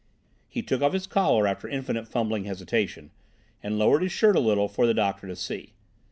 He took off his collar after infinite fumbling hesitation, and lowered his shirt a little for the doctor to see.